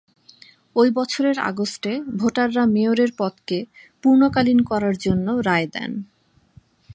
ঐ বছর আগস্টে ভোটাররা মেয়রের পদকে পূর্ণকালীন করার জন্য রায় দেন।